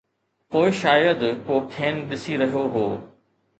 پوءِ شايد ڪو کين ڏسي رهيو هو.